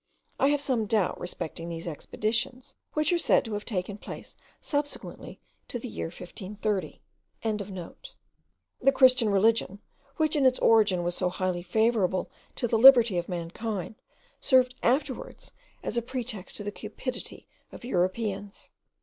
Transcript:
I have some doubt respecting these expeditions, which are said to have taken place subsequently to the year 1530.) The Christian religion, which in its origin was so highly favourable to the liberty of mankind, served afterwards as a pretext to the cupidity of Europeans.